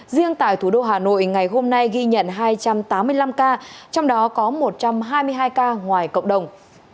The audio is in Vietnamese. riêng tại thủ đô hà nội ngày hôm nay ghi nhận hai trăm tám mươi năm ca trong đó có một trăm hai mươi hai ca ngoài cộng đồng